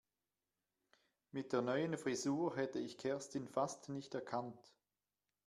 Mit der neuen Frisur hätte ich Kerstin fast nicht erkannt.